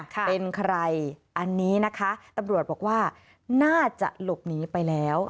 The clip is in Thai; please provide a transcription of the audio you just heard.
เป็นใครอันนี้นะคะตำรวจบอกว่าน่าจะหลบหนีไปแล้ว